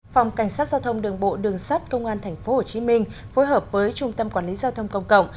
phòng cảnh sát giao thông đường bộ đường sát công an tp hcm phối hợp với trung tâm quản lý giao thông công cộng